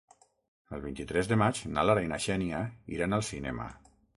El vint-i-tres de maig na Lara i na Xènia iran al cinema.